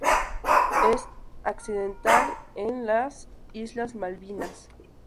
Es accidental en las islas Malvinas.